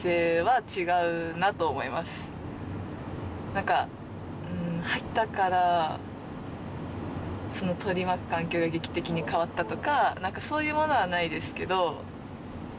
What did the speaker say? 何か入ったから取り巻く環境が劇的に変わったとかそういうものはないですけど。